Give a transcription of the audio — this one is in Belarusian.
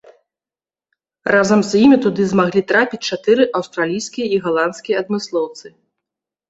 Разам з імі туды змаглі трапіць чатыры аўстралійскія і галандскія адмыслоўцы.